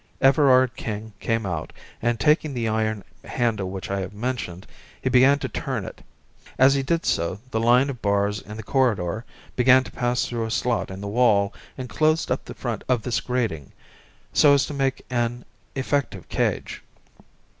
Everard King came out, and taking the iron handle which I have mentioned, he began to turn it. As he did so the line of bars in the corridor began to pass through a slot in the wall and closed up the front of this grating, so as to make an effective cage.